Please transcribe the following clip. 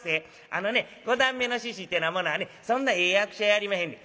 あのね五段目の猪ってなものはねそんなええ役者やりまへんねん。